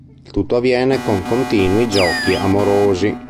Il tutto avviene con continui giochi amorosi.